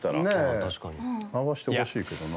回してほしいけどな。